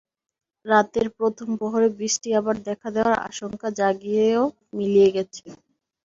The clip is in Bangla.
রাতের প্রথম প্রহরে বৃষ্টি আবার দেখা দেওয়ার আশঙ্কা জাগিয়েও মিলিয়ে গেছে।